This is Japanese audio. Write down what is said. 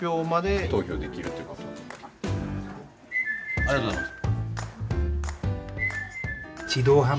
ありがとうございます。